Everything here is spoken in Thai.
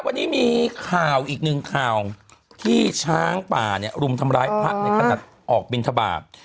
วันนี้มีข่าวอีกหนึ่งข่าวที่ช้างป่าเนี่ยรุมทำร้ายพระในขณะออกบินทบาท